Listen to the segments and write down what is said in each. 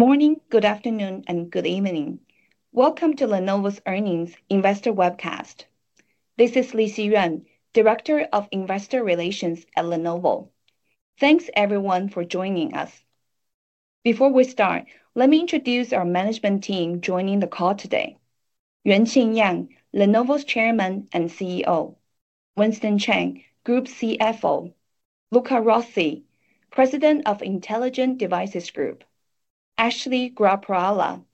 Good morning, good afternoon, and good evening. Welcome to Lenovo's earnings investor webcast. This is Lixi Yuan, Director of Investor Relations at Lenovo. Thanks, everyone, for joining us. Before we start, let me introduce our management team joining the call today: Yuanqing Yang, Lenovo's Chairman and CEO; Winston Cheng, Group CFO; Luca Rossi, President of Intelligent Devices Group; Ashley Gorakhpurwalla,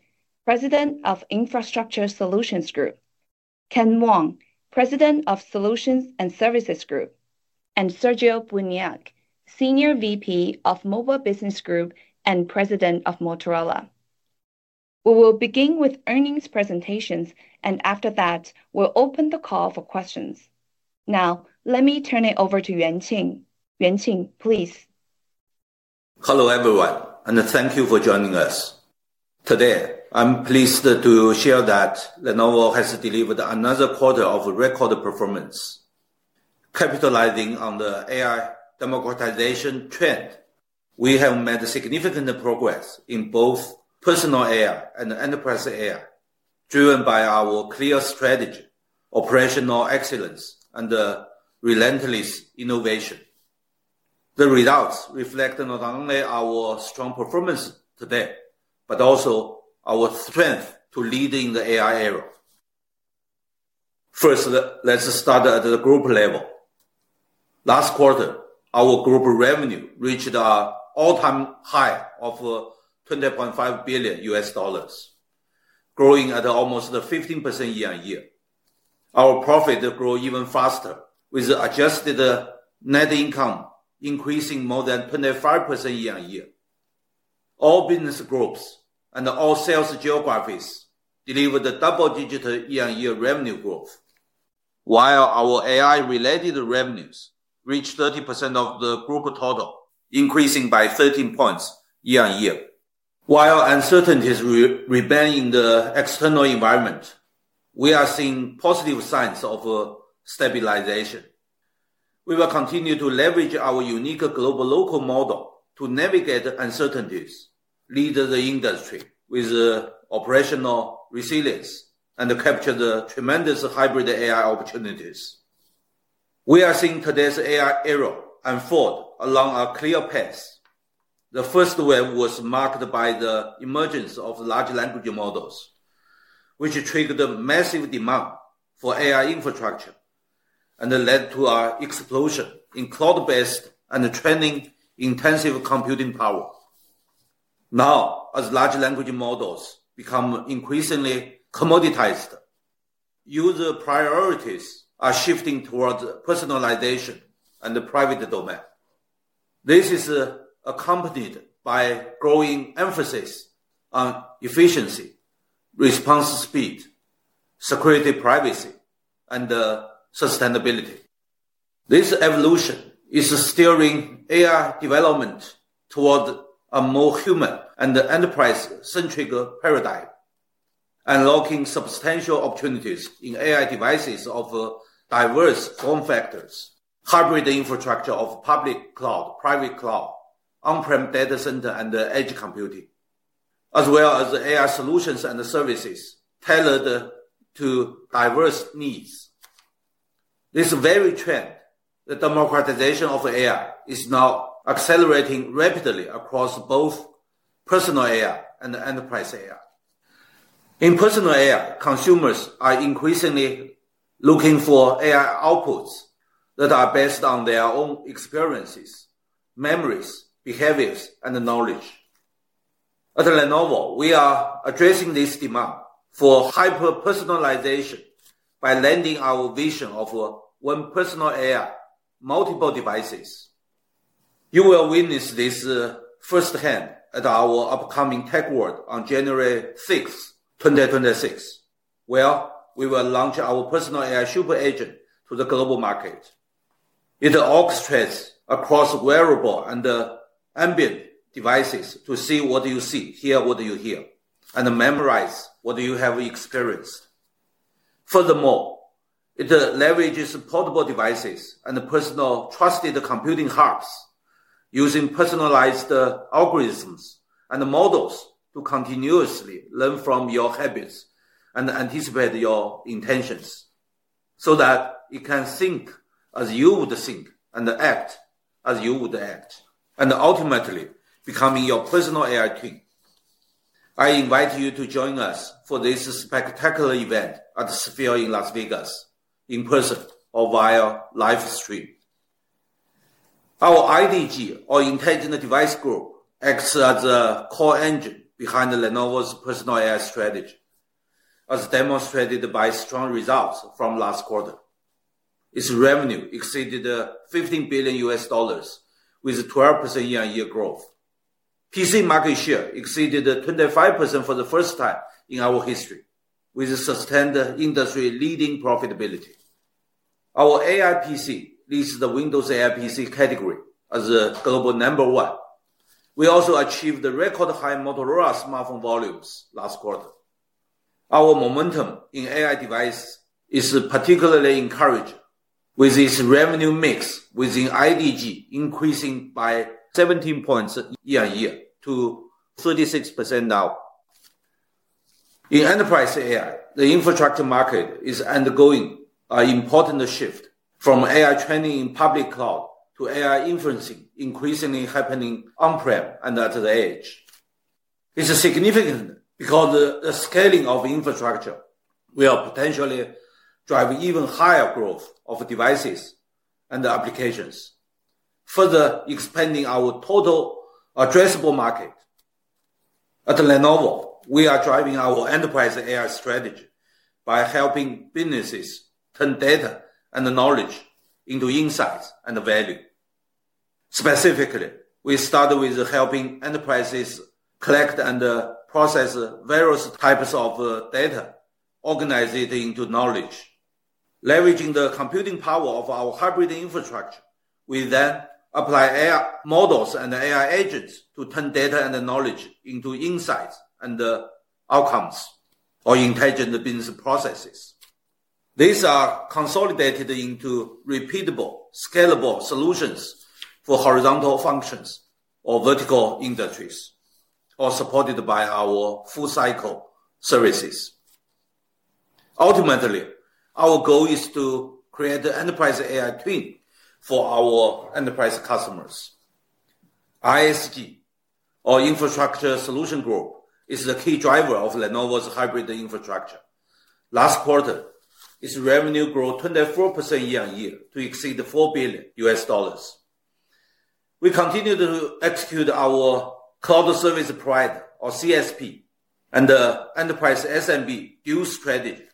President of Infrastructure Solutions Group; Ken Wong, President of Solutions and Services Group; and Sergio Buniac, Senior VP of Mobile Business Group and President of Motorola. We will begin with earnings presentations, and after that, we'll open the call for questions. Now, let me turn it over to Yuanqing. Yuanqing, please. Hello, everyone, and thank you for joining us. Today, I'm pleased to share that Lenovo has delivered another quarter of record performance. Capitalizing on the AI democratization trend, we have made significant progress in both personal AI and enterprise AI, driven by our clear strategy, operational excellence, and relentless innovation. The results reflect not only our strong performance today but also our strength to lead in the AI era. First, let's start at the group level. Last quarter, our group revenue reached an all-time high of $20.5 billion, growing at almost 15% year-on-year. Our profit grew even faster, with adjusted net income increasing more than 25% year-on-year. All business groups and all sales geographies delivered double-digit year-on-year revenue growth, while our AI-related revenues reached 30% of the group total, increasing by 13 percentage points year-on-year. While uncertainties remain in the external environment, we are seeing positive signs of stabilization. We will continue to leverage our unique global local model to navigate uncertainties, lead the industry with operational resilience, and capture the tremendous hybrid AI opportunities. We are seeing today's AI era unfold along a clear path. The first wave was marked by the emergence of large language models, which triggered massive demand for AI infrastructure and led to an explosion in cloud-based and training-intensive computing power. Now, as large language models become increasingly commoditized, user priorities are shifting towards personalization and the private domain. This is accompanied by a growing emphasis on efficiency, response speed, security, privacy, and sustainability. This evolution is steering AI development toward a more human and enterprise-centric paradigm, unlocking substantial opportunities in AI devices of diverse form factors, hybrid infrastructure of public cloud, private cloud, on-prem data center, and edge computing, as well as AI solutions and services tailored to diverse needs. This very trend, the democratization of AI, is now accelerating rapidly across both personal AI and enterprise AI. In personal AI, consumers are increasingly looking for AI outputs that are based on their own experiences, memories, behaviors, and knowledge. At Lenovo, we are addressing this demand for hyper-personalization by lending our vision of one personal AI, multiple devices. You will witness this firsthand at our upcoming Tech World on January 6, 2026, where we will launch our personal AI Super Agent to the global market. It orchestrates across wearable and ambient devices to see what you see, hear what you hear, and memorize what you have experienced. Furthermore, it leverages portable devices and personal trusted computing hubs, using personalized algorithms and models to continuously learn from your habits and anticipate your intentions, so that it can think as you would think and act as you would act, and ultimately becoming your personal AI king. I invite you to join us for this spectacular event at Sphere in Las Vegas, in person or via livestream. Our IDG, or Intelligent Device Group, acts as a core engine behind Lenovo's personal AI strategy, as demonstrated by strong results from last quarter. Its revenue exceeded $15 billion, with 12% year-on-year growth. PC market share exceeded 25% for the first time in our history, with sustained industry-leading profitability. Our AI PC leads the Windows AI PC category as the global number one. We also achieved record-high Motorola smartphone volumes last quarter. Our momentum in AI devices is particularly encouraged, with its revenue mix within IDG increasing by 17 percentage points year-on-year to 36% now. In enterprise AI, the infrastructure market is undergoing an important shift from AI training in public cloud to AI inferencing, increasingly happening on-prem and at the edge. It's significant because the scaling of infrastructure will potentially drive even higher growth of devices and applications, further expanding our total addressable market. At Lenovo, we are driving our enterprise AI strategy by helping businesses turn data and knowledge into insights and value. Specifically, we start with helping enterprises collect and process various types of data, organize it into knowledge. Leveraging the computing power of our hybrid infrastructure, we then apply AI models and AI agents to turn data and knowledge into insights and outcomes or intelligent business processes. These are consolidated into repeatable, scalable solutions for horizontal functions or vertical industries, all supported by our full-cycle services. Ultimately, our goal is to create an enterprise AI twin for our enterprise customers. ISG, or Infrastructure Solutions Group, is the key driver of Lenovo's hybrid infrastructure. Last quarter, its revenue grew 24% year-on-year to exceed $4 billion. We continue to execute our Cloud Service Provider, or CSP, and enterprise SMB dual strategy.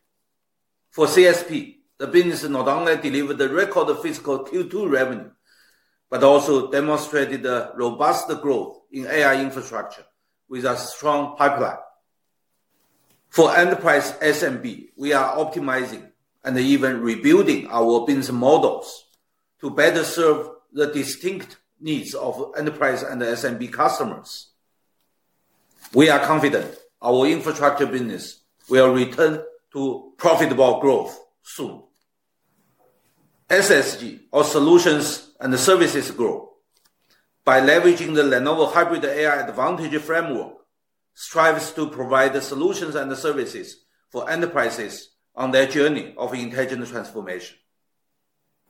For CSP, the business not only delivered record physical Q2 revenue but also demonstrated robust growth in AI infrastructure with a strong pipeline. For enterprise SMB, we are optimizing and even rebuilding our business models to better serve the distinct needs of enterprise and SMB customers. We are confident our infrastructure business will return to profitable growth soon. SSG, or Solutions and Services Group, by leveraging the Lenovo Hybrid AI Advantage framework, strives to provide solutions and services for enterprises on their journey of intelligent transformation.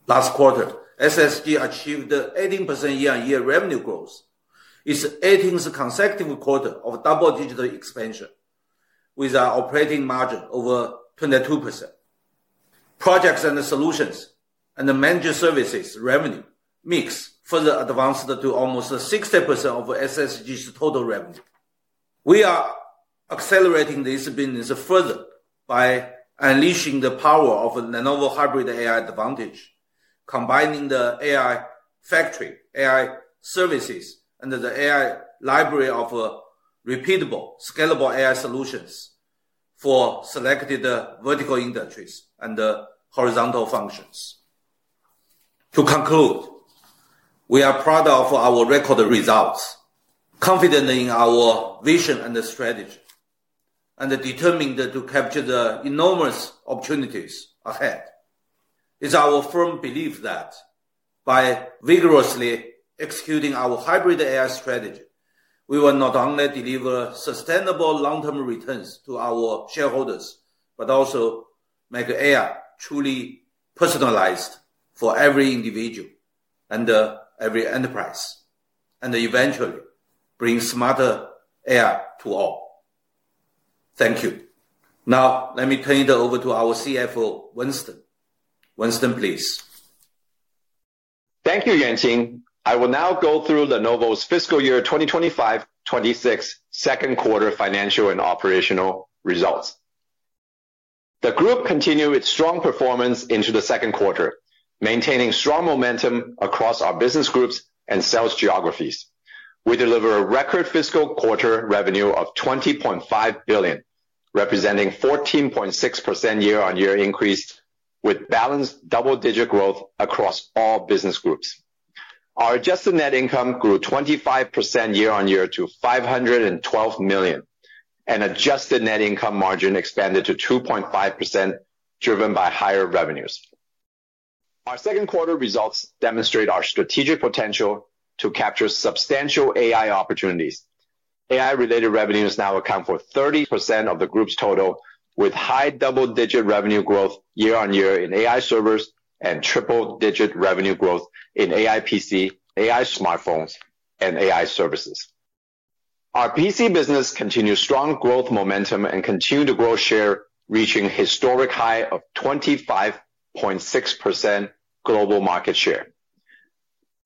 Last quarter, SSG achieved 18% year-on-year revenue growth. It's the 18th consecutive quarter of double-digit expansion, with an operating margin over 22%. Projects and solutions and managed services revenue mix further advanced to almost 60% of SSG's total revenue. We are accelerating this business further by unleashing the power of Lenovo Hybrid AI Advantage, combining the AI factory, AI services, and the AI library of repeatable, scalable AI solutions for selected vertical industries and horizontal functions. To conclude, we are proud of our record results, confident in our vision and strategy, and determined to capture the enormous opportunities ahead. It's our firm belief that by vigorously executing our hybrid AI strategy, we will not only deliver sustainable long-term returns to our shareholders but also make AI truly personalized for every individual and every enterprise, and eventually bring smarter AI to all. Thank you. Now, let me turn it over to our CFO, Winston. Winston, please. Thank you, Yuanqing. I will now go through Lenovo's fiscal year 2025-2026 second quarter financial and operational results. The group continued its strong performance into the second quarter, maintaining strong momentum across our business groups and sales geographies. We deliver a record fiscal quarter revenue of $20.5 billion, representing a 14.6% year-on-year increase, with balanced double-digit growth across all business groups. Our Adjusted Net Income grew 25% year-on-year to $512 million, and Adjusted Net Income margin expanded to 2.5%, driven by higher revenues. Our second quarter results demonstrate our strategic potential to capture substantial AI opportunities. AI-related revenues now account for 30% of the group's total, with high double-digit revenue growth year-on-year in AI servers and triple-digit revenue growth in AI PC, AI smartphones, and AI services. Our PC business continued strong growth momentum and continued to grow share, reaching a historic high of 25.6% global market share.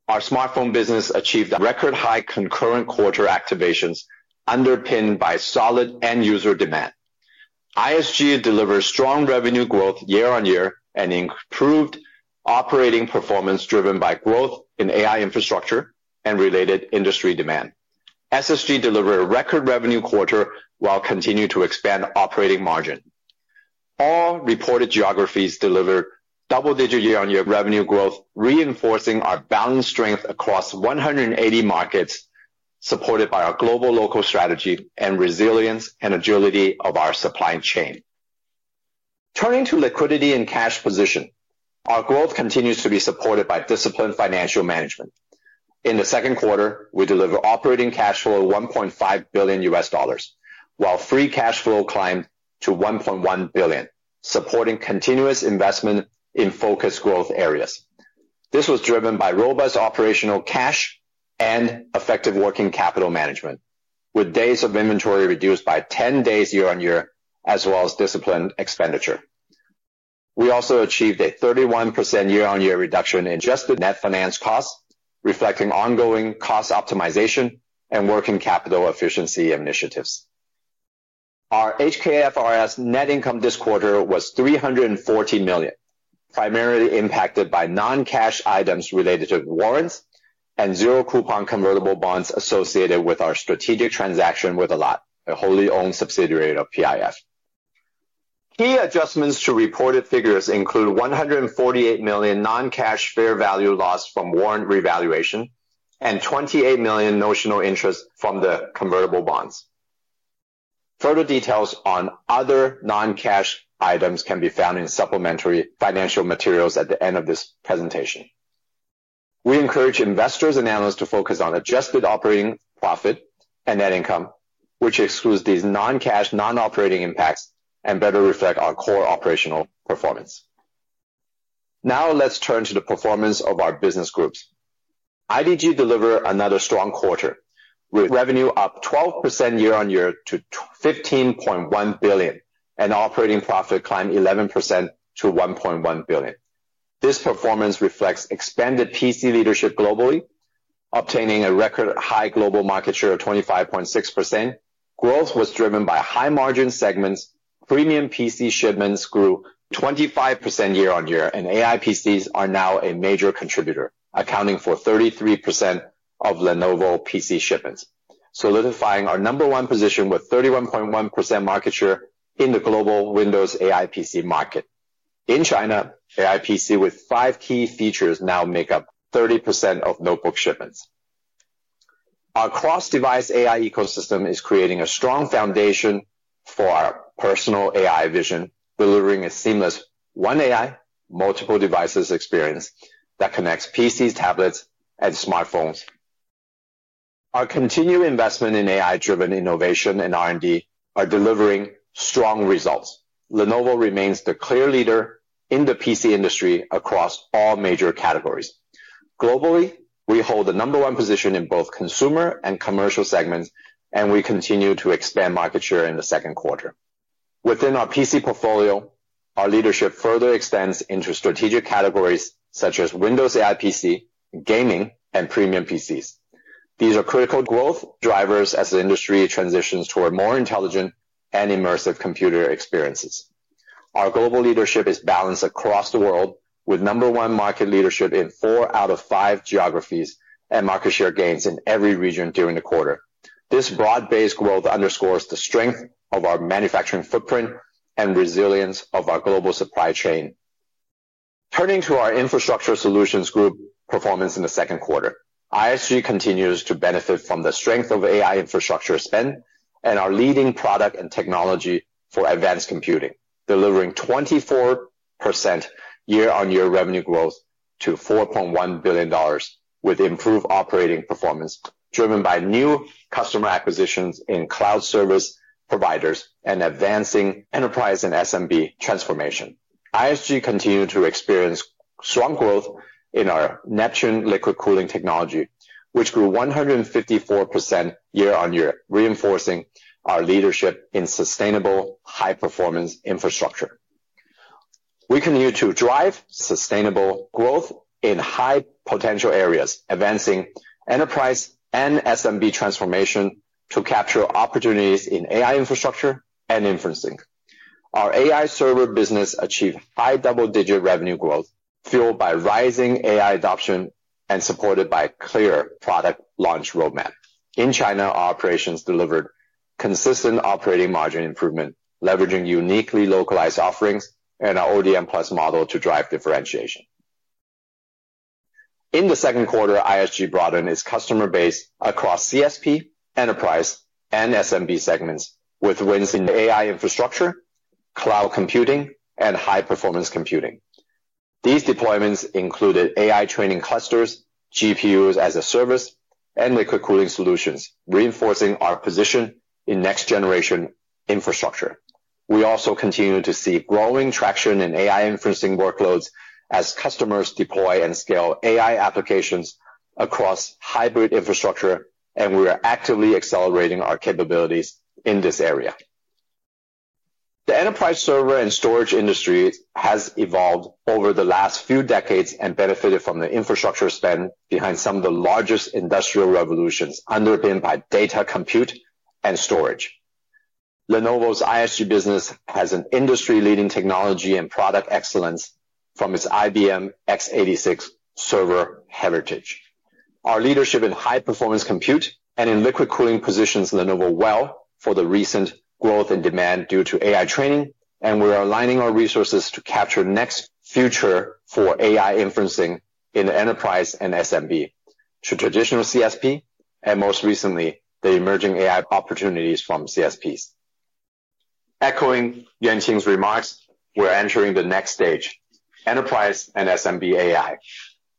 Our smartphone business achieved record-high concurrent quarter activations, underpinned by solid end-user demand. ISG delivered strong revenue growth year-on-year and improved operating performance, driven by growth in AI infrastructure and related industry demand. SSG delivered a record revenue quarter while continuing to expand operating margin. All reported geographies delivered double-digit year-on-year revenue growth, reinforcing our balanced strength across 180 markets, supported by our global local strategy and resilience and agility of our supply chain. Turning to liquidity and cash position, our growth continues to be supported by disciplined financial management. In the second quarter, we delivered operating cash flow of $1.5 billion, while Free Cash Flow climbed to $1.1 billion, supporting continuous investment in focus growth areas. This was driven by robust operational cash and effective working capital management, with days of inventory reduced by 10 days year-on-year, as well as disciplined expenditure. We also achieved a 31% year-on-year reduction in adjusted net finance costs, reflecting ongoing cost optimization and working capital efficiency initiatives. Our HKFRS net income this quarter was $340 million, primarily impacted by non-cash items related to warrants and zero-coupon convertible bonds associated with our strategic transaction with LOT, a wholly-owned subsidiary of PIF. Key adjustments to reported figures include $148 million non-cash fair value loss from warrant revaluation and $28 million notional interest from the convertible bonds. Further details on other non-cash items can be found in supplementary financial materials at the end of this presentation. We encourage investors and analysts to focus on adjusted operating profit and net income, which exclude these non-cash non-operating impacts and better reflect our core operational performance. Now, let's turn to the performance of our business groups. IDG delivered another strong quarter, with revenue up 12% year-on-year to $15.1 billion, and operating profit climbed 11% to $1.1 billion. This performance reflects expanded PC leadership globally, obtaining a record-high global market share of 25.6%. Growth was driven by high-margin segments. Premium PC shipments grew 25% year-on-year, and AI PCs are now a major contributor, accounting for 33% of Lenovo PC shipments, solidifying our number one position with 31.1% market share in the global Windows AI PC market. In China, AI PC with five key features now make up 30% of notebook shipments. Our cross-device AI ecosystem is creating a strong foundation for our personal AI vision, delivering a seamless one-AI, multiple-devices experience that connects PCs, tablets, and smartphones. Our continued investment in AI-driven innovation and R&D are delivering strong results. Lenovo remains the clear leader in the PC industry across all major categories. Globally, we hold the number one position in both consumer and commercial segments, and we continue to expand market share in the second quarter. Within our PC portfolio, our leadership further extends into strategic categories such as Windows AI PC, gaming, and premium PCs. These are critical growth drivers as the industry transitions toward more intelligent and immersive computer experiences. Our global leadership is balanced across the world, with number one market leadership in four out of five geographies and market share gains in every region during the quarter. This broad-based growth underscores the strength of our manufacturing footprint and resilience of our global supply chain. Turning to our Infrastructure Solutions Group performance in the second quarter, ISG continues to benefit from the strength of AI infrastructure spend and our leading product and technology for advanced computing, delivering 24% year-on-year revenue growth to $4.1 billion, with improved operating performance driven by new customer acquisitions in cloud service providers and advancing enterprise and SMB transformation. ISG continues to experience strong growth in our Neptune liquid cooling technology, which grew 154% year-on-year, reinforcing our leadership in sustainable high-performance infrastructure. We continue to drive sustainable growth in high-potential areas, advancing enterprise and SMB transformation to capture opportunities in AI infrastructure and inferencing. Our AI server business achieved high double-digit revenue growth, fueled by rising AI adoption and supported by a clear product launch roadmap. In China, our operations delivered consistent operating margin improvement, leveraging uniquely localized offerings and our ODM+ model to drive differentiation. In the second quarter, ISG broadened its customer base across CSP, enterprise, and SMB segments, with wins in AI infrastructure, cloud computing, and high-performance computing. These deployments included AI training clusters, GPUs as a service, and liquid cooling solutions, reinforcing our position in next-generation infrastructure. We also continue to see growing traction in AI inferencing workloads as customers deploy and scale AI applications across hybrid infrastructure, and we are actively accelerating our capabilities in this area. The enterprise server and storage industry has evolved over the last few decades and benefited from the infrastructure spend behind some of the largest industrial revolutions underpinned by data compute and storage. Lenovo's ISG business has an industry-leading technology and product excellence from its IBM x86 server heritage. Our leadership in high-performance compute and in liquid cooling positions Lenovo well for the recent growth in demand due to AI training, and we are aligning our resources to capture next future for AI inferencing in enterprise and SMB, to traditional CSP, and most recently, the emerging AI opportunities from CSPs. Echoing Yuanqing's remarks, we're entering the next stage: Enterprise and SMB AI.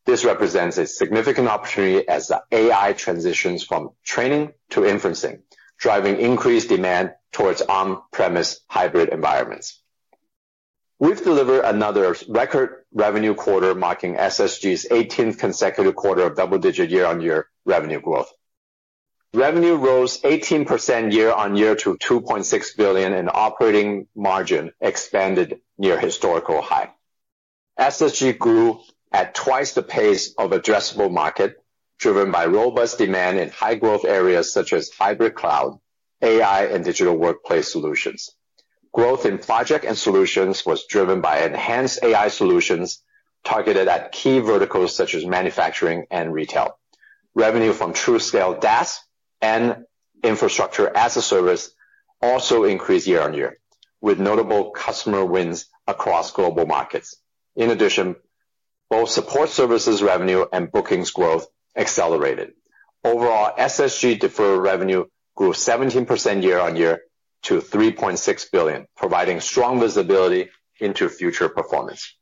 This represents a significant opportunity as the AI transitions from training to inferencing, driving increased demand towards on-premise hybrid environments. We've delivered another record revenue quarter, marking SSG's 18th consecutive quarter of double-digit year-on-year revenue growth. Revenue rose 18% year-on-year to $2.6 billion, and operating margin expanded near historical high. SSG grew at twice the pace of addressable market, driven by robust demand in high-growth areas such as hybrid cloud, AI, and digital workplace solutions. Growth in project and solutions was driven by enhanced AI solutions targeted at key verticals such as manufacturing and retail. Revenue from TruScale DaaS and infrastructure as a service also increased year-on-year, with notable customer wins across global markets. In addition, both support services revenue and bookings growth accelerated. Overall, SSG deferred revenue grew 17% year-on-year to $3.6 billion, providing strong visibility into future performance.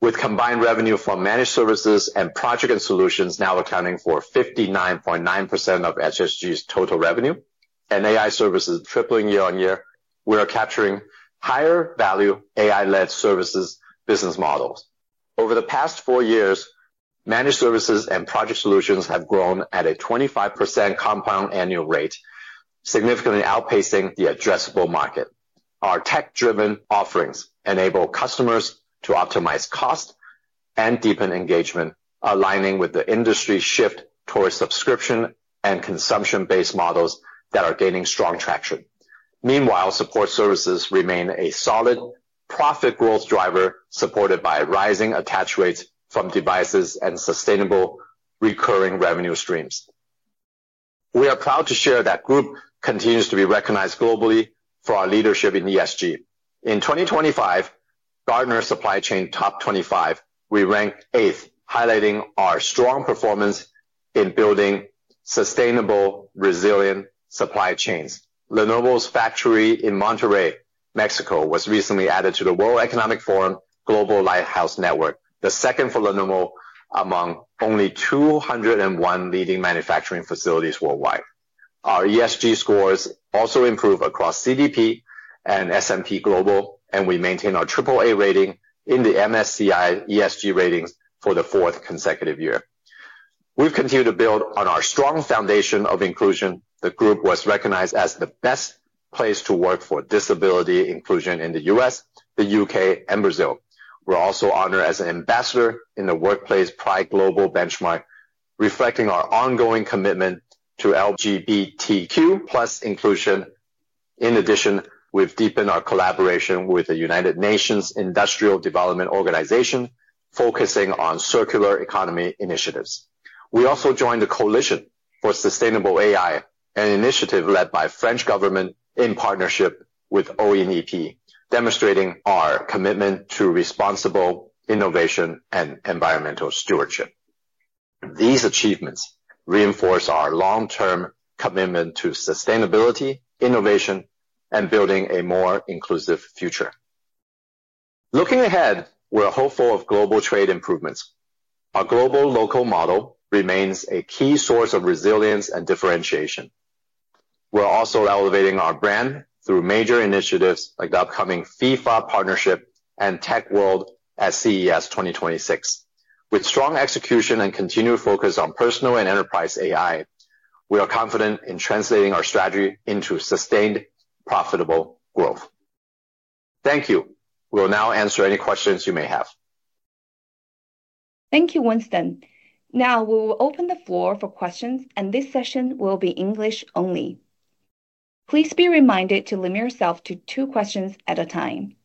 With combined revenue from managed services and project and solutions now accounting for 59.9% of SSG's total revenue, and AI services tripling year-on-year, we are capturing higher-value AI-led services business models. Over the past four years, managed services and project solutions have grown at a 25% compound annual rate, significantly outpacing the addressable market. Our tech-driven offerings enable customers to optimize cost and deepen engagement, aligning with the industry shift towards subscription and consumption-based models that are gaining strong traction. Meanwhile, support services remain a solid profit growth driver, supported by rising attach rates from devices and sustainable recurring revenue streams. We are proud to share that the group continues to be recognized globally for our leadership in ESG. In 2025, Gartner Supply Chain Top 25, we ranked eighth, highlighting our strong performance in building sustainable, resilient supply chains. Lenovo's factory in Monterrey, Mexico, was recently added to the World Economic Forum Global Lighthouse Network, the second for Lenovo among only 201 leading manufacturing facilities worldwide. Our ESG scores also improve across CDP and SMP Global, and we maintain our AAA rating in the MSCI ESG ratings for the fourth consecutive year. We've continued to build on our strong foundation of inclusion. The group was recognized as the best place to work for disability inclusion in the U.S., the U.K., and Brazil. We're also honored as an ambassador in the Workplace Pride Global benchmark, reflecting our ongoing commitment to LGBTQ+ inclusion. In addition, we've deepened our collaboration with the United Nations Industrial Development Organization, focusing on circular economy initiatives. We also joined the Coalition for Sustainable AI, an initiative led by the French government in partnership with ONEP, demonstrating our commitment to responsible innovation and environmental stewardship. These achievements reinforce our long-term commitment to sustainability, innovation, and building a more inclusive future. Looking ahead, we're hopeful of global trade improvements. Our global local model remains a key source of resilience and differentiation. We're also elevating our brand through major initiatives like the upcoming FIFA Partnership and Tech World at CES 2026. With strong execution and continued focus on personal and enterprise AI, we are confident in translating our strategy into sustained, profitable growth. Thank you. We'll now answer any questions you may have. Thank you, Winston. Now, we will open the floor for questions, and this session will be English only. Please be reminded to limit yourself to two questions at a time.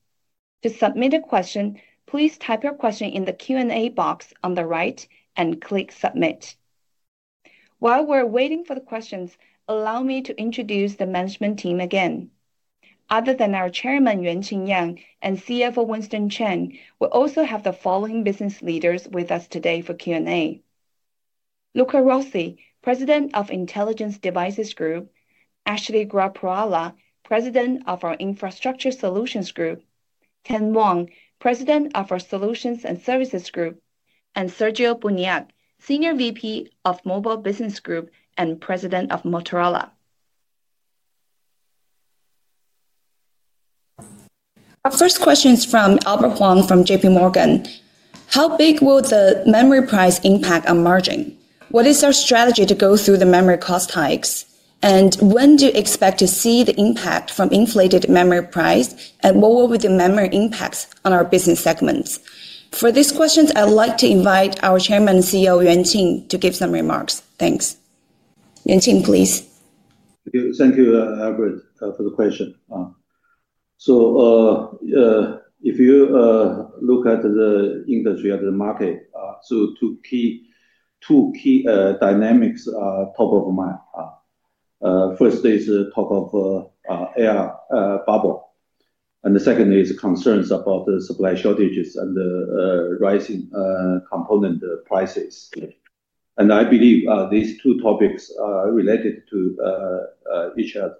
To submit a question, please type your question in the Q&A box on the right and click Submit. While we're waiting for the questions, allow me to introduce the management team again. Other than our Chairman, Yuanqing Yang, and CFO, Winston Cheng, we also have the following business leaders with us today for Q&A: Luca Rossi, President of Intelligent Devices Group; Ashley Gorakhpurwalla, President of our Infrastructure Solutions Group; Ken Wong, President of our Solutions and Services Group; and Sergio Buniac, Senior VP of Mobile Business Group and President of Motorola. Our first question is from Albert Huang from JPMorgan. How big will the memory price impact on margin? What is our strategy to go through the memory cost hikes? And when do you expect to see the impact from inflated memory price, and what will be the memory impacts on our business segments? For these questions, I'd like to invite our Chairman and CEO, Yuanqing, to give some remarks. Thanks. Yuanqing, please. Thank you, Albert, for the question. If you look at the industry, at the market, two key dynamics are top of mind. First is the talk of the AI bubble, and the second is concerns about the supply shortages and the rising component prices. I believe these two topics are related to each other.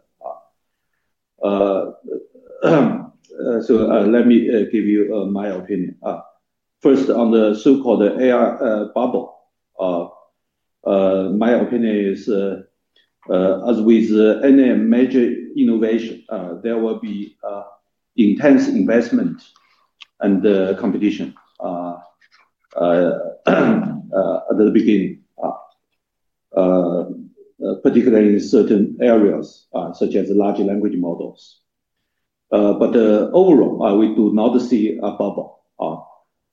Let me give you my opinion. First, on the so-called AI bubble, my opinion is, as with any major innovation, there will be intense investment and competition at the beginning, particularly in certain areas such as large language models. Overall, we do not see a bubble.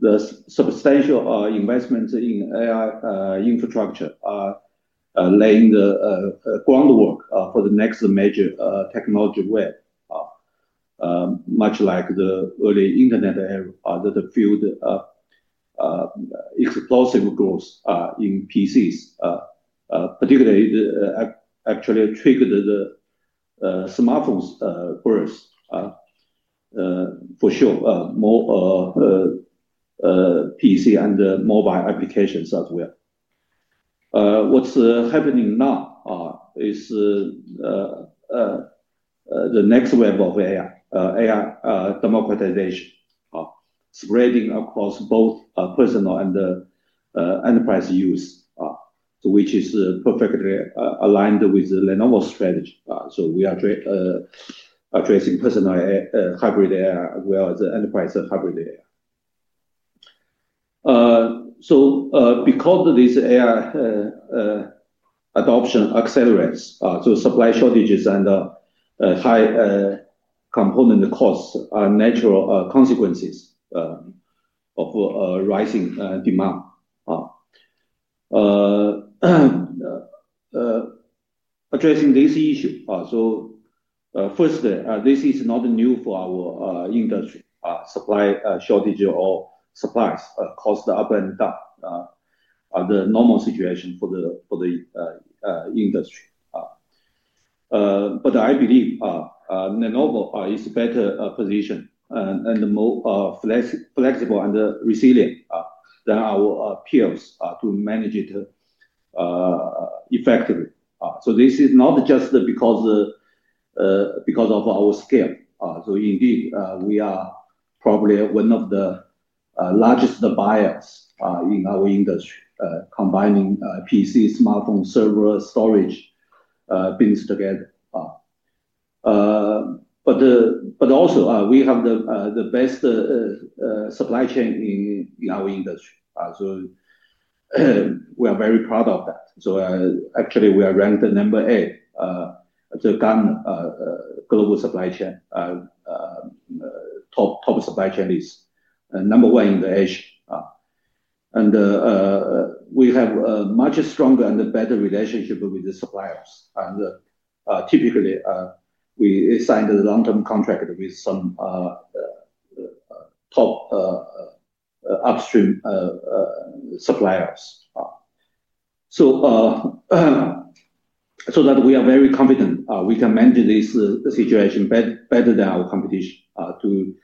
The substantial investments in AI infrastructure are laying the groundwork for the next major technology wave, much like the early internet era, that fueled explosive growth in PCs, particularly actually triggered the smartphone's growth for sure, more PC and mobile applications as well. What's happening now is the next wave of AI democratization, spreading across both personal and enterprise use, which is perfectly aligned with Lenovo's strategy. We are addressing personal hybrid AI as well as enterprise hybrid AI. Because of this, AI adoption accelerates, so supply shortages and high component costs are natural consequences of rising demand. Addressing this issue, firstly, this is not new for our industry. Supply shortage or supplies cost up and down are the normal situation for the industry. I believe Lenovo is in a better position and more flexible and resilient than our peers to manage it effectively. This is not just because of our scale. Indeed, we are probably one of the largest buyers in our industry, combining PC, smartphone, server, storage things together. We also have the best supply chain in our industry. We are very proud of that. Actually, we are ranked number eight at the global supply chain, top supply chain list, number one in Asia. We have a much stronger and better relationship with the suppliers. Typically, we signed a long-term contract with some top upstream suppliers. We are very confident we can manage this situation better than our competition to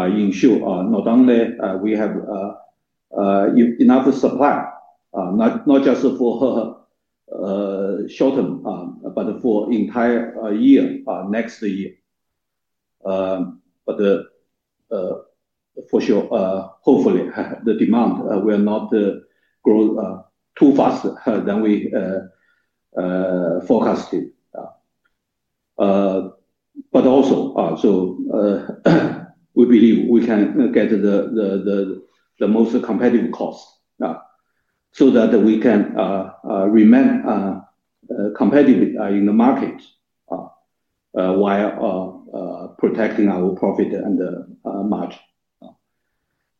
ensure not only we have enough supply, not just for short term, but for the entire year next year. For sure, hopefully, the demand will not grow too fast than we forecasted. Also, we believe we can get the most competitive cost so that we can remain competitive in the market while protecting our profit and margin.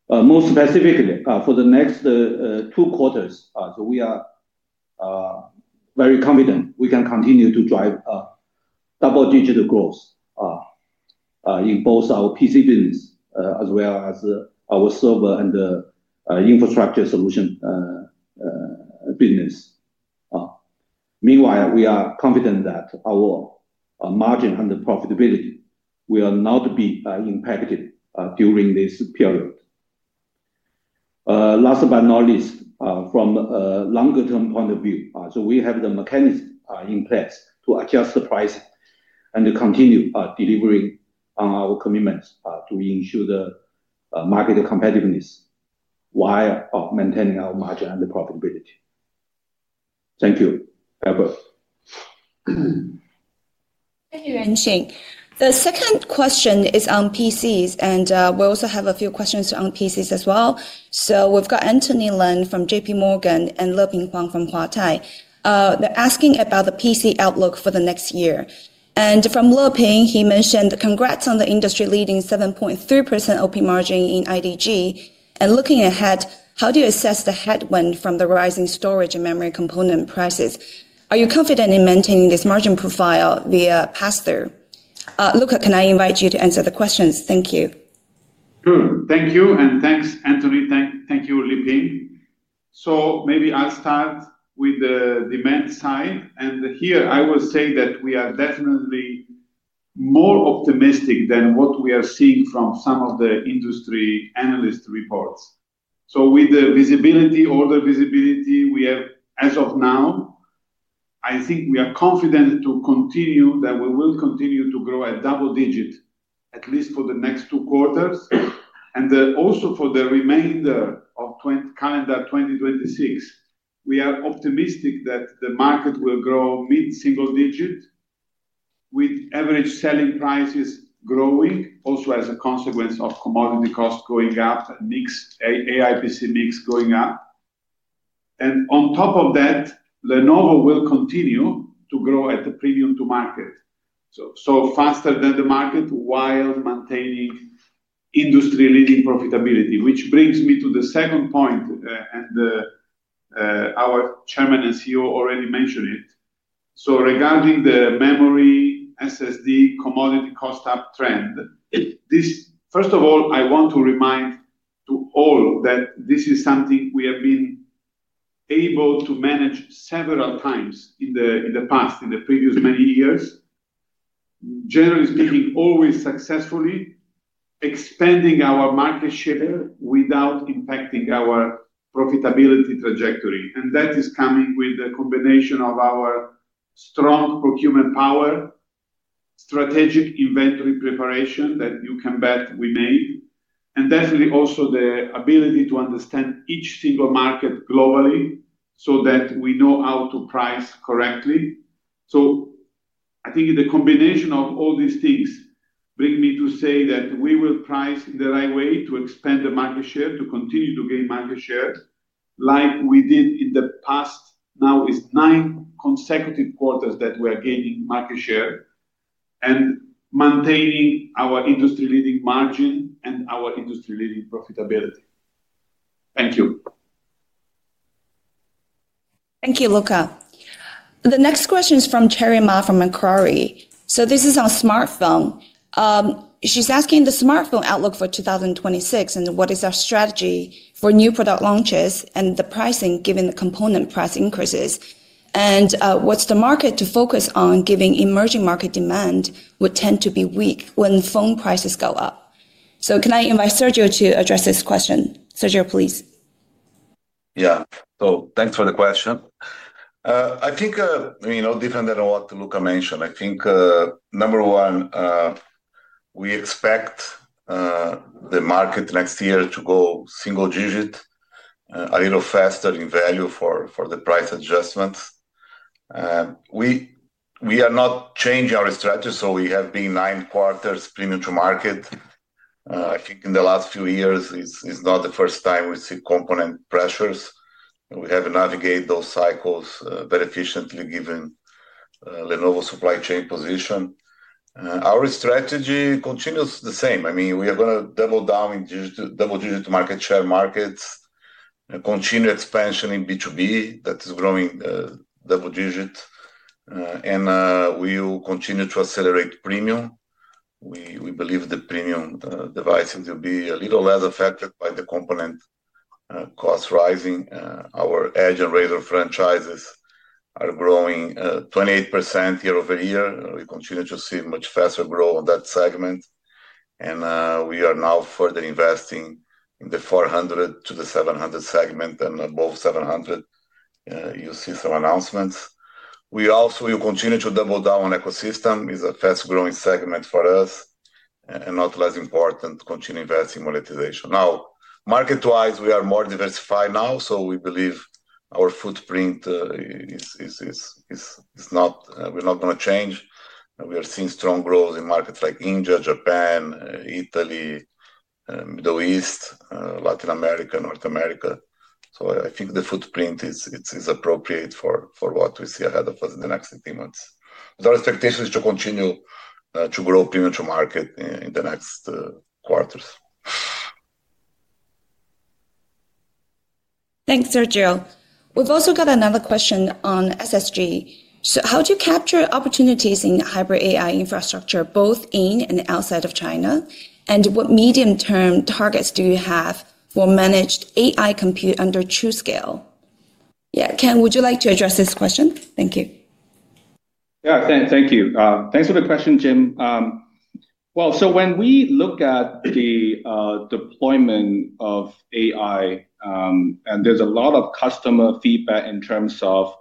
Most specifically, for the next two quarters, we are very confident we can continue to drive double-digit growth in both our PC business as well as our server and infrastructure solution business. Meanwhile, we are confident that our margin and profitability will not be impacted during this period. Last but not least, from a longer-term point of view, we have the mechanism in place to adjust the pricing and to continue delivering our commitments to ensure the market competitiveness while maintaining our margin and profitability. Thank you, Albert. Thank you, Yuanqing. The second question is on PCs, and we also have a few questions on PCs as well. We have Anthony Lin from JPMorgan and LeiPing Huang from Huatai. They are asking about the PC outlook for the next year. From LeiPing, he mentioned, "Congrats on the industry-leading 7.3% open margin in IDG. Looking ahead, how do you assess the headwind from the rising storage and memory component prices? Are you confident in maintaining this margin profile via pass-through?" Luca, can I invite you to answer the questions? Thank you. Thank you, and thanks, Anthony. Thank you, LeiPing. Maybe I will start with the demand side. Here, I will say that we are definitely more optimistic than what we are seeing from some of the industry analyst reports. With the visibility, all the visibility we have as of now, I think we are confident to continue that we will continue to grow at double digit, at least for the next two quarters. Also for the remainder of calendar 2026, we are optimistic that the market will grow mid-single digit, with average selling prices growing, also as a consequence of commodity costs going up, mixed AI PC mix going up. On top of that, Lenovo will continue to grow at the premium-to-market, so faster than the market while maintaining industry-leading profitability, which brings me to the second point. Our Chairman and CEO already mentioned it. Regarding the memory, SSD, commodity cost up trend, first of all, I want to remind all that this is something we have been able to manage several times in the past, in the previous many years, generally speaking, always successfully expanding our market share without impacting our profitability trajectory. That is coming with the combination of our strong procurement power, strategic inventory preparation that you can bet we made, and definitely also the ability to understand each single market globally so that we know how to price correctly. I think the combination of all these things brings me to say that we will price in the right way to expand the market share, to continue to gain market share like we did in the past. Now, it's nine consecutive quarters that we are gaining market share and maintaining our industry-leading margin and our industry-leading profitability. Thank you. Thank you, Luca. The next question is from Terry Ma from Macquarie. This is on smartphone. She's asking the smartphone outlook for 2026, and what is our strategy for new product launches and the pricing given the component price increases? What's the market to focus on given emerging market demand would tend to be weak when phone prices go up? Can I invite Sergio to address this question? Sergio, please. Yeah. Thanks for the question. I think, I mean, no different than what Luca mentioned. I think, number one, we expect the market next year to go single-digit, a little faster in value for the price adjustments. We are not changing our strategy. We have been nine quarters premium-to-market. I think in the last few years, it's not the first time we see component pressures. We have navigated those cycles very efficiently given Lenovo's supply chain position. Our strategy continues the same. I mean, we are going to double down in double-digit market share markets, continue expansion in B2B that is growing double-digit, and we will continue to accelerate premium. We believe the premium devices will be a little less affected by the component cost rising. Our edge and razor franchises are growing 28% year-over-year. We continue to see much faster growth on that segment. We are now further investing in the 400-700 segment, and above 700, you'll see some announcements. We also will continue to double down on ecosystem. It's a fast-growing segment for us and not less important to continue investing in monetization. Now, market-wise, we are more diversified now. We believe our footprint is not going to change. We are seeing strong growth in markets like India, Japan, Italy, Middle East, Latin America, North America. I think the footprint is appropriate for what we see ahead of us in the next three months. Our expectation is to continue to grow premium-to-market in the next quarters. Thanks, Sergio. We've also got another question on SSG. How do you capture opportunities in hybrid AI infrastructure both in and outside of China? What medium-term targets do you have for managed AI compute under TruScale? Ken, would you like to address this question? Thank you. Thank you. Thanks for the question, Lixi. When we look at the deployment of AI, and there's a lot of customer feedback in terms of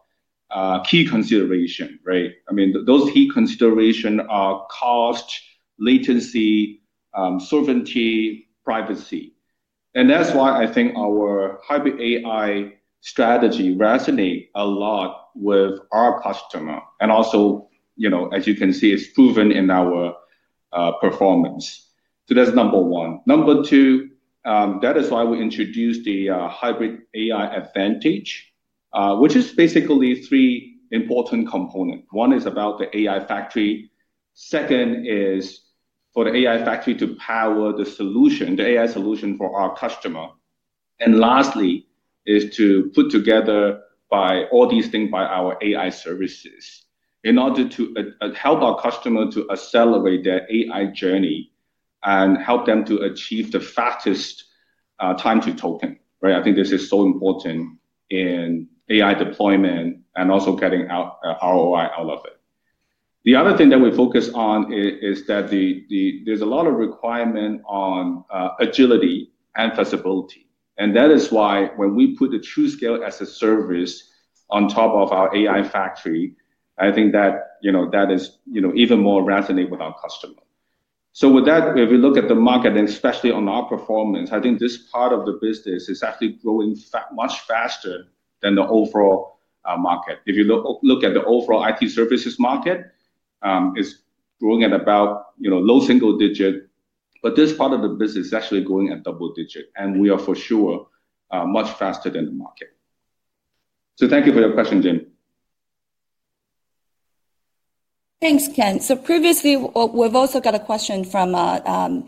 key consideration, right? I mean, those key considerations are cost, latency, sovereignty, privacy. That is why I think our hybrid AI strategy resonates a lot with our customer. Also, as you can see, it is proven in our performance. That is number one. Number two, that is why we introduced the hybrid AI advantage, which is basically three important components. One is about the AI factory. Second is for the AI factory to power the solution, the AI solution for our customer. Lastly, it is to put together all these things by our AI services in order to help our customer to accelerate their AI journey and help them to achieve the fastest time to token, right? I think this is so important in AI deployment and also getting ROI out of it. The other thing that we focus on is that there is a lot of requirement on agility and flexibility. That is why when we put the TruScale as a service on top of our AI factory, I think that that is even more resonating with our customer. With that, if we look at the market, and especially on our performance, I think this part of the business is actually growing much faster than the overall market. If you look at the overall IT services market, it is growing at about low single digit. This part of the business is actually growing at double digit. We are for sure much faster than the market. Thank you for your question, Lixi. Thanks, Ken. Previously, we have also got a question from Randy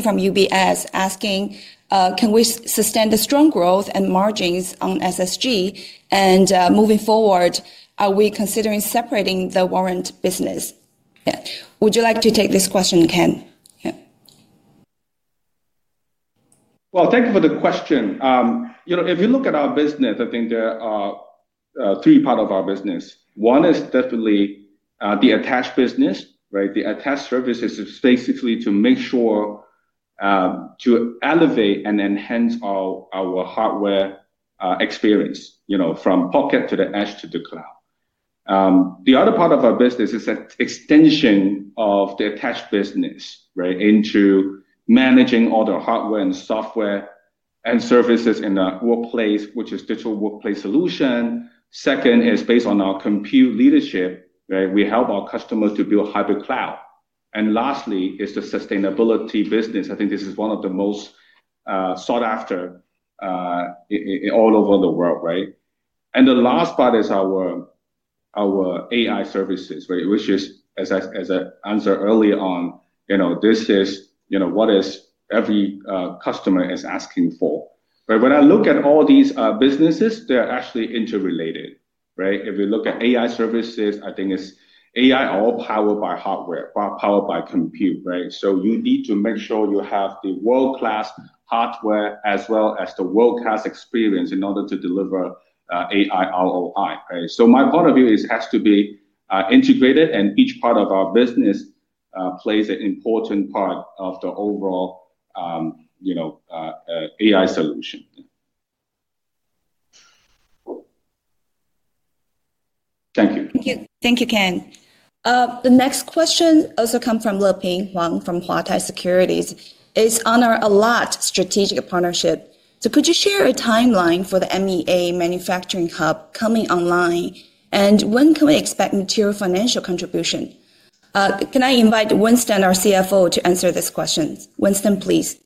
Abrams from UBS asking, "Can we sustain the strong growth and margins on SSG? And moving forward, are we considering separating the warrant business?" Yeah. Would you like to take this question, Ken? Yeah. Thank you for the question. If you look at our business, I think there are three parts of our business. One is definitely the attached business, right? The attached services is basically to make sure to elevate and enhance our hardware experience from pocket to the edge to the cloud. The other part of our business is an extension of the attached business, right, into managing all the hardware and software and services in the workplace, which is digital workplace solution. Second is based on our compute leadership, right? We help our customers to build hybrid cloud. Lastly is the sustainability business. I think this is one of the most sought after all over the world, right? The last part is our AI services, right, which is, as I answered earlier on, this is what every customer is asking for. When I look at all these businesses, they're actually interrelated, right? If you look at AI services, I think it's AI all powered by hardware, powered by compute, right? You need to make sure you have the world-class hardware as well as the world-class experience in order to deliver AI ROI, right? My point of view is it has to be integrated, and each part of our business plays an important part of the overall AI solution. Thank you. Thank you, Ken. The next question also comes from LeiPing Huang from Huatai Securities. It's on our ALAT strategic partnership. Could you share a timeline for the MEA Manufacturing Hub coming online? When can we expect material financial contribution? Can I invite Winston, our CFO, to answer this question? Winston, please.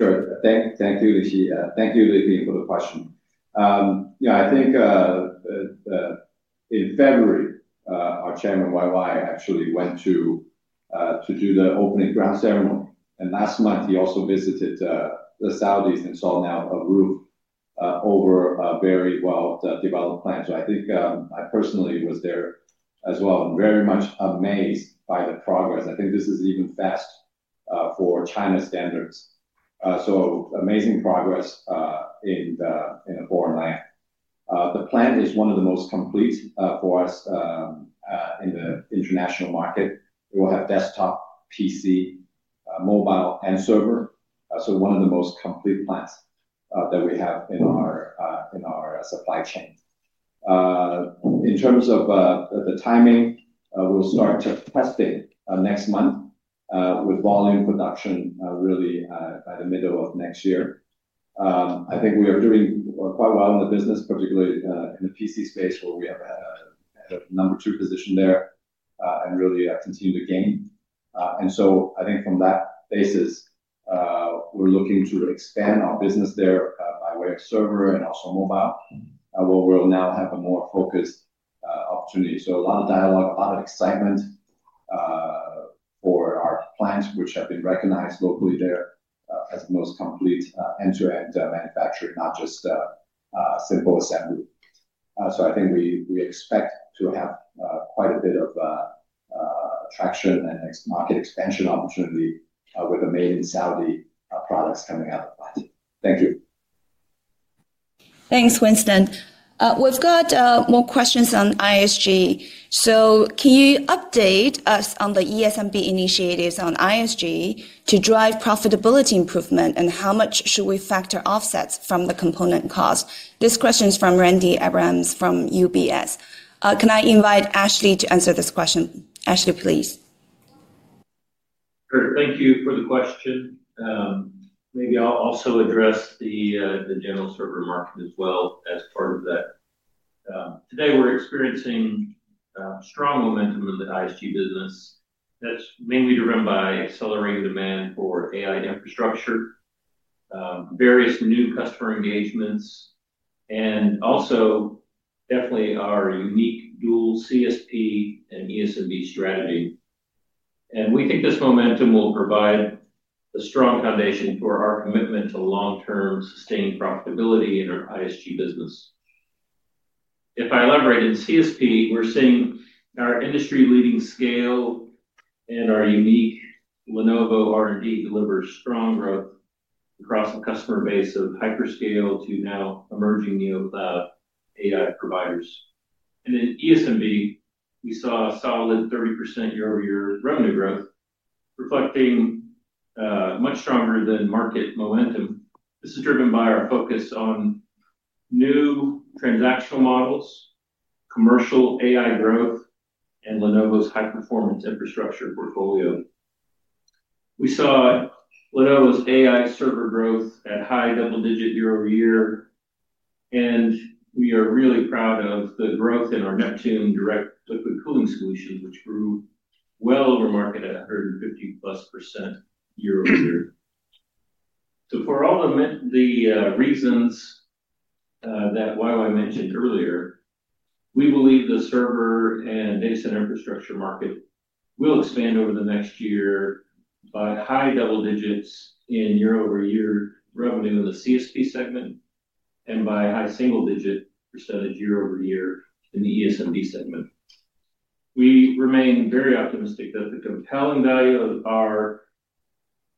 Sure. Thank you, Lixi. Thank you, LeiPing, for the question. Yeah, I think in February, our Chairman (YY) actually went to do the opening ground ceremony. Last month, he also visited the Southeast and saw now a roof over a very well-developed plant. I think I personally was there as well and very much amazed by the progress. I think this is even fast for China standards. Amazing progress in a foreign land. The plant is one of the most complete for us in the international market. We will have desktop, PC, mobile, and server. One of the most complete plants that we have in our supply chain. In terms of the timing, we'll start testing next month with volume production really by the middle of next year. I think we are doing quite well in the business, particularly in the PC space where we have a number two position there and really continue to gain. I think from that basis, we're looking to expand our business there by way of server and also mobile where we'll now have a more focused opportunity. A lot of dialogue, a lot of excitement for our plants, which have been recognized locally there as the most complete end-to-end manufacturing, not just simple assembly. I think we expect to have quite a bit of traction and market expansion opportunity with the made-in-Saudi products coming out of that. Thank you. Thanks, Winston. We've got more questions on ISG. Can you update us on the ESMB initiatives on ISG to drive profitability improvement? And how much should we factor offsets from the component cost? This question is from Randy Abrams from UBS. Can I invite Ashley to answer this question? Ashley, please. Sure. Thank you for the question. Maybe I'll also address the general server market as well as part of that. Today, we're experiencing strong momentum in the ISG business. That's mainly driven by accelerating demand for AI infrastructure, various new customer engagements, and definitely our unique dual CSP and ESMB strategy. We think this momentum will provide a strong foundation for our commitment to long-term sustained profitability in our ISG business. If I elaborate in CSP, we're seeing our industry-leading scale and our unique Lenovo R&D deliver strong growth across the customer base of hyperscale to now emerging Neocloud AI providers. In ESMB, we saw a solid 30% year-over-year revenue growth, reflecting much stronger than market momentum. This is driven by our focus on new transactional models, commercial AI growth, and Lenovo's high-performance infrastructure portfolio. We saw Lenovo's AI server growth at high double-digit year-over-year. We are really proud of the growth in our Neptune direct liquid cooling solutions, which grew well over market at 150+% year-over-year. For all the reasons that (YY) mentioned earlier, we believe the server and data center infrastructure market will expand over the next year by high double digits in year-over-year revenue in the CSP segment and by high single-digit percentage year-over-year in the ESMB segment. We remain very optimistic that the compelling value of our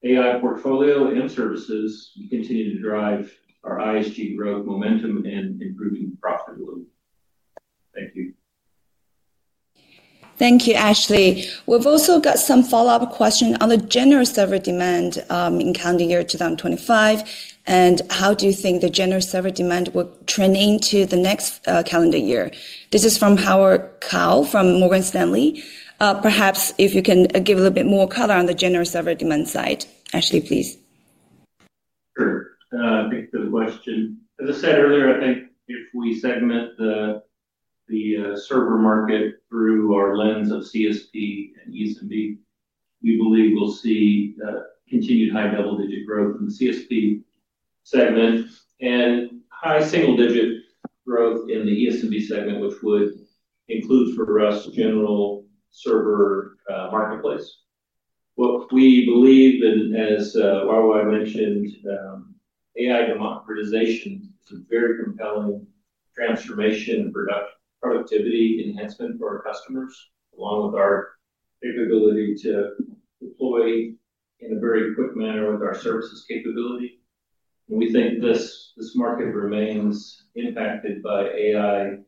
AI portfolio and services will continue to drive our ISG growth momentum and improving profitability. Thank you. Thank you, Ashley. We've also got some follow-up questions on the general server demand in calendar year 2025. How do you think the general server demand will train into the next calendar year? This is from Howard Kao from Morgan Stanley. Perhaps if you can give a little bit more color on the general server demand side. Ashley, please. Sure. Thanks for the question. As I said earlier, I think if we segment the server market through our lens of CSP and ESMB, we believe we'll see continued high double-digit growth in the CSP segment and high single-digit growth in the ESMB segment, which would include for us general server marketplace. What we believe, and as YY mentioned, AI democratization is a very compelling transformation and productivity enhancement for our customers, along with our capability to deploy in a very quick manner with our services capability. We think this market remains impacted by AI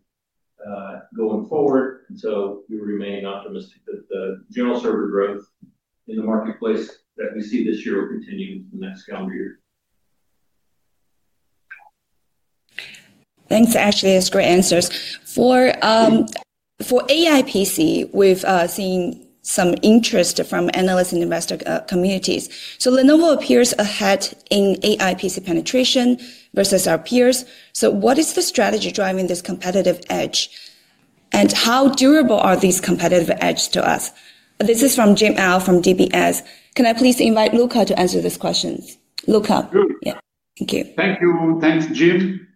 going forward. We remain optimistic that the general server growth in the marketplace that we see this year will continue in the next calendar year. Thanks, Ashley. That's great answers. For AIPC, we've seen some interest from analysts and investor communities. Lenovo appears ahead in AIPC penetration versus our peers. What is the strategy driving this competitive edge? How durable are these competitive edges to us? This is from Jim Au from DBS. Can I please invite Luca to answer this question? Luca. Thank you. Thank you. Thanks, Jim.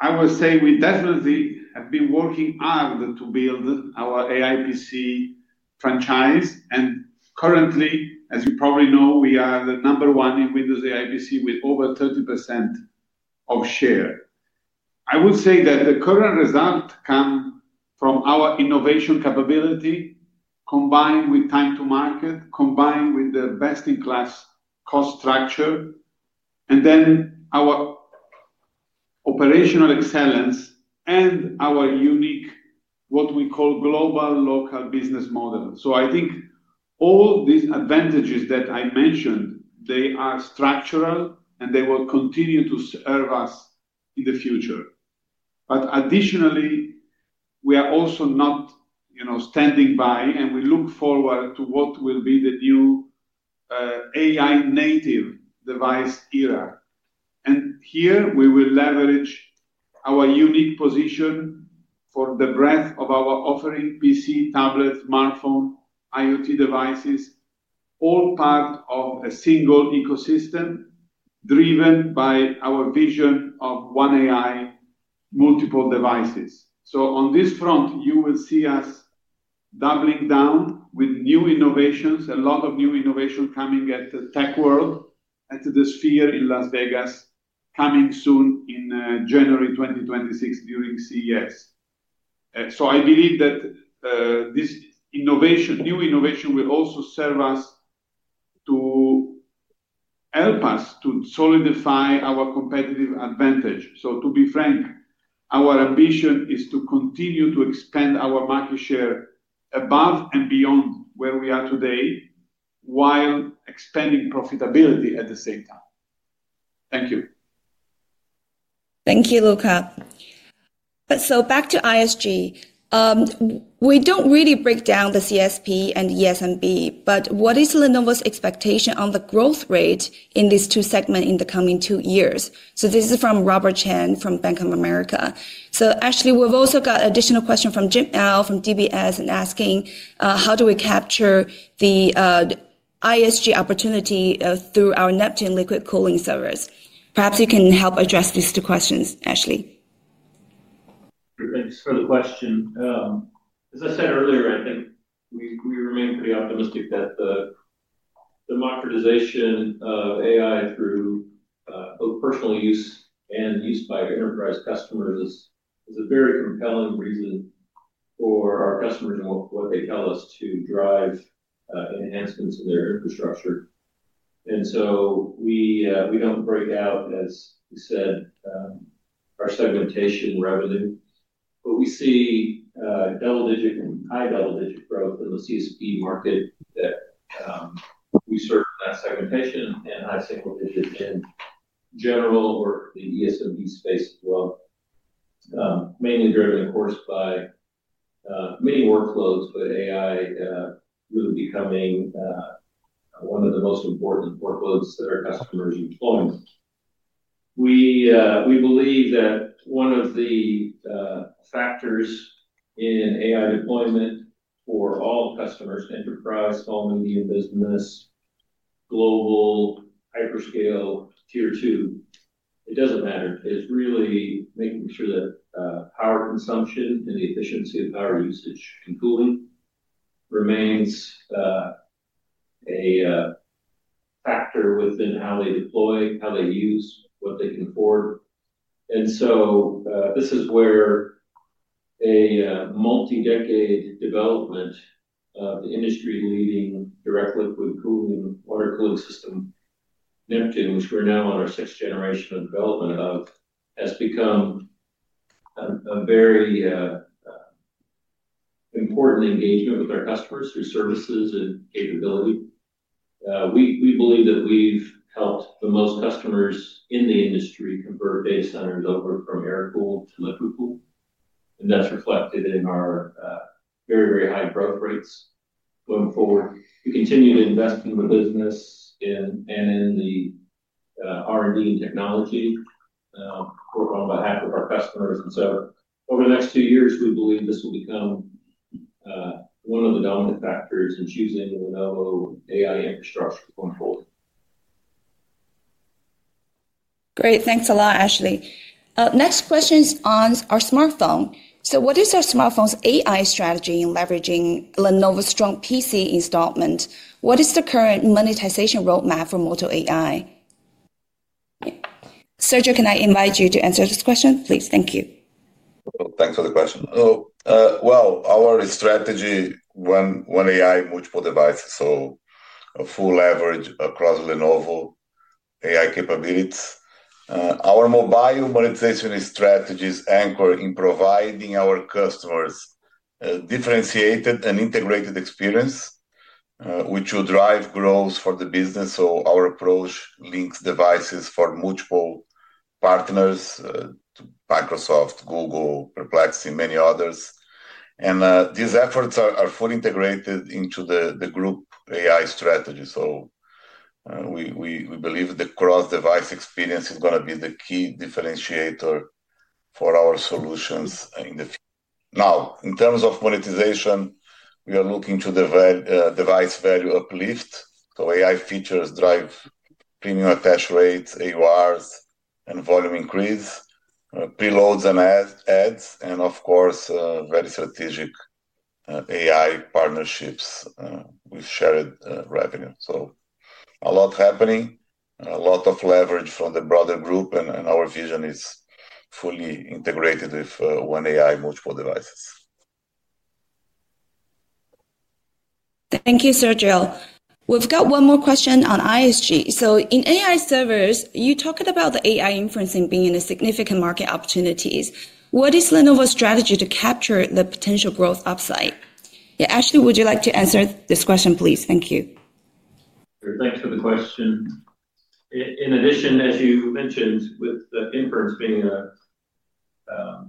I will say we definitely have been working hard to build our AIPC franchise. Currently, as you probably know, we are the number one in Windows AIPC with over 30% of share. I would say that the current result comes from our innovation capability combined with time to market, combined with the best-in-class cost structure, and then our operational excellence and our unique, what we call, global local business model. I think all these advantages that I mentioned, they are structural and they will continue to serve us in the future. Additionally, we are also not standing by, and we look forward to what will be the new AI-native device era. Here, we will leverage our unique position for the breadth of our offering: PC, tablet, smartphone, IoT devices, all part of a single ecosystem driven by our vision of one AI, multiple devices. On this front, you will see us doubling down with new innovations, a lot of new innovation coming at the Tech World, at the Sphere in Las Vegas, coming soon in January 2026 during CES. I believe that this innovation, new innovation, will also serve us to help us to solidify our competitive advantage. To be frank, our ambition is to continue to expand our market share above and beyond where we are today while expanding profitability at the same time. Thank you. Thank you, Luca. Back to ISG. We do not really break down the CSP and ESMB, but what is Lenovo's expectation on the growth rate in these two segments in the coming two years? This is from Robert Chen from Bank of America. Ashley, we have also got an additional question from Jim Au from DBS asking, "How do we capture the ISG opportunity through our Neptune liquid cooling servers?" Perhaps you can help address these two questions, Ashley. Thanks for the question. As I said earlier, I think we remain pretty optimistic that the democratization of AI through both personal use and use by enterprise customers is a very compelling reason for our customers and what they tell us to drive enhancements in their infrastructure. We do not break out, as you said, our segmentation revenue, but we see double-digit and high double-digit growth in the CSP market that we serve in that segmentation and high single-digit in general or the ESMB space as well, mainly driven, of course, by many workloads, but AI really becoming one of the most important workloads that our customers are deploying. We believe that one of the factors in AI deployment for all customers, enterprise, small, medium business, global, hyperscale, tier two, it does not matter. It's really making sure that power consumption and the efficiency of power usage and cooling remains a factor within how they deploy, how they use, what they can afford. This is where a multi-decade development of the industry-leading direct liquid cooling water cooling system, Neptune, which we're now on our sixth generation of development of, has become a very important engagement with our customers through services and capability. We believe that we've helped the most customers in the industry convert data centers over from air cool to liquid cooling. That's reflected in our very, very high growth rates going forward. We continue to invest in the business and in the R&D and technology on behalf of our customers. Over the next two years, we believe this will become one of the dominant factors in choosing Lenovo AI infrastructure going forward. Great. Thanks a lot, Ashley. Next question is on our smartphone. What is our smartphone's AI strategy in leveraging Lenovo's strong PC installment? What is the current monetization roadmap for mobile AI? Sergio, can I invite you to answer this question? Please. Thank you. Thanks for the question. Our strategy when AI multiple devices, so full leverage across Lenovo AI capabilities. Our mobile monetization strategy is anchored in providing our customers a differentiated and integrated experience, which will drive growth for the business. Our approach links devices for multiple partners: Microsoft, Google, Perplexity, many others. These efforts are fully integrated into the group AI strategy. We believe the cross-device experience is going to be the key differentiator for our solutions in the future. Now, in terms of monetization, we are looking to the device value uplift. AI features drive premium attach rates, AURs, and volume increase, preloads and adds, and, of course, very strategic AI partnerships with shared revenue. A lot happening, a lot of leverage from the broader group, and our vision is fully integrated with one AI multiple devices. Thank you, Sergio. We've got one more question on ISG. In AI servers, you talked about the AI inferencing being a significant market opportunity. What is Lenovo's strategy to capture the potential growth upside? Yeah. Ashley, would you like to answer this question, please? Thank you. Thanks for the question. In addition, as you mentioned, with the inference being a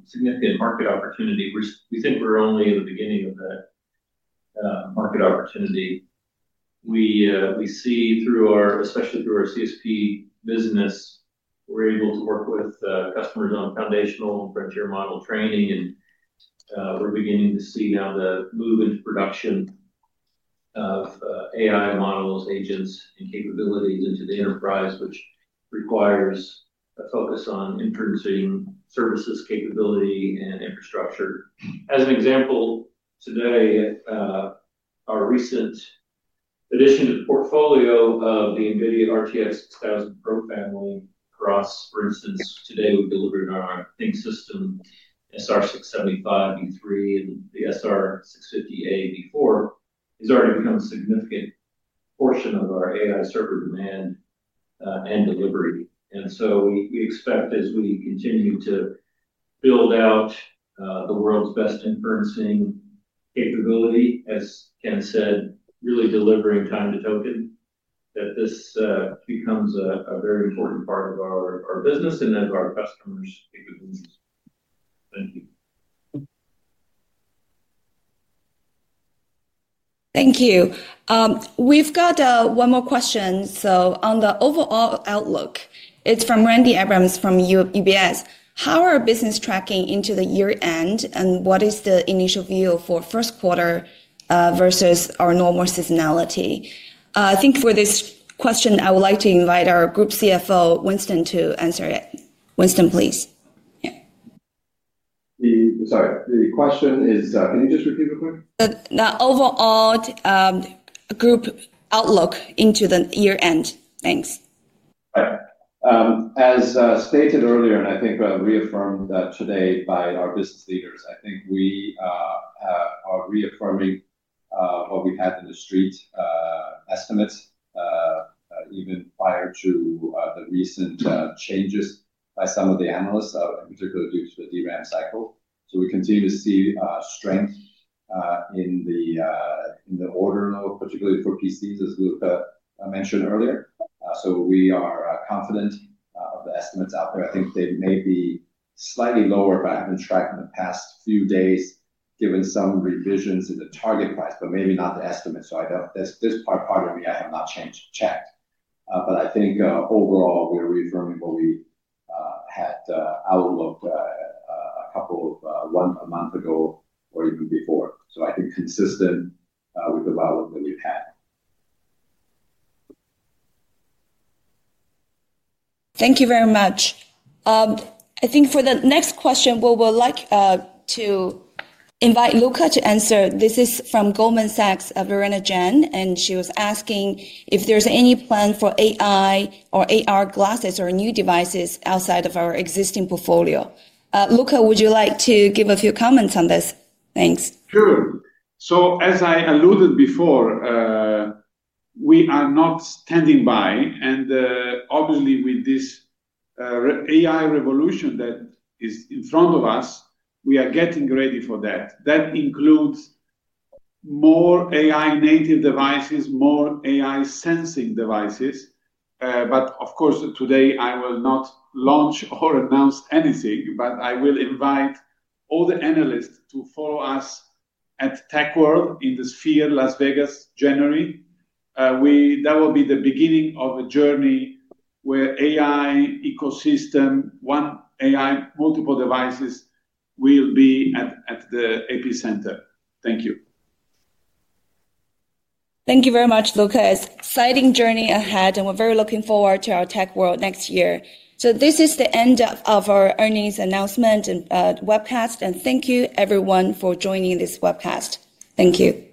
significant market opportunity, we think we're only at the beginning of that market opportunity. We see, especially through our CSP business, we're able to work with customers on foundational frontier model training. We're beginning to see now the move into production of AI models, agents, and capabilities into the enterprise, which requires a focus on inferencing services, capability, and infrastructure. As an example, today, our recent addition to the portfolio of the NVIDIA RTX 6000 Pro family across, for instance, today, we've delivered our ThinkSystem SR675 V3 and the SR650a V4. It's already become a significant portion of our AI server demand and delivery. We expect as we continue to build out the world's best inferencing capability, as Ken said, really delivering time to token, that this becomes a very important part of our business and of our customers' capabilities. Thank you. Thank you. We've got one more question. On the overall outlook, it's from Randy Abrams from UBS. How are business tracking into the year end, and what is the initial view for first quarter versus our normal seasonality? I think for this question, I would like to invite our Group CFO, Winston, to answer it. Winston, please. Yeah. Sorry. The question is, can you just repeat it quick? The overall group outlook into the year end. Thanks. As stated earlier, and I think reaffirmed today by our business leaders, I think we are reaffirming what we've had in the street estimates even prior to the recent changes by some of the analysts, in particular due to the DRAM cycle. We continue to see strength in the order level, particularly for PCs, as Luca mentioned earlier. We are confident of the estimates out there. I think they may be slightly lower than I've been tracking the past few days, given some revisions in the target price, but maybe not the estimates. This part of me, I have not checked. I think overall, we're reaffirming what we had outlooked a couple of months ago or even before. I think consistent with the volume that we've had. Thank you very much. For the next question, we would like to invite Luca to answer. This is from Goldman Sachs' Verena Jeng, and she was asking if there's any plan for AI or AR glasses or new devices outside of our existing portfolio. Luca, would you like to give a few comments on this? Thanks. Sure. As I alluded before, we are not standing by. Obviously, with this AI revolution that is in front of us, we are getting ready for that. That includes more AI-native devices, more AI-sensing devices. Of course, today, I will not launch or announce anything, but I will invite all the analysts to follow us at TechWorld in the Sphere Las Vegas January. That will be the beginning of a journey where AI ecosystem, one AI multiple devices will be at the epicenter. Thank you. Thank you very much, Luca. Exciting journey ahead, and we're very looking forward to our TechWorld next year. This is the end of our earnings announcement and webcast, and thank you, everyone, for joining this webcast. Thank you. Goodbye.